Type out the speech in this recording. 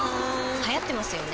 流行ってますよね